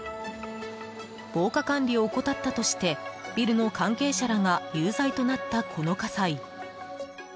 防火管理を怠ったとしてビルの関係者らが有罪となったこの火災。